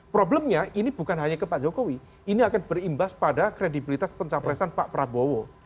problemnya ini bukan hanya ke pak jokowi ini akan berimbas pada kredibilitas pencapresan pak prabowo